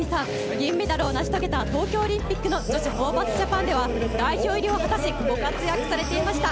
銀メダルを成し遂げた東京オリンピックの女子ホーバスジャパンでは代表入りを果たしご活躍されていました。